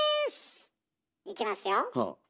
いきますよ。